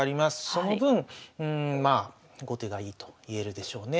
その分後手がいいといえるでしょうね。